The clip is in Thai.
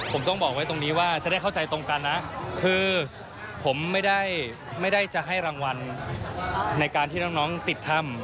ผมต้องบอกไว้ตรงนี้ว่าจะได้เข้าใจตรงกันนะคือผมไม่ได้จะให้รางวัลในการที่น้องติดถ้ำ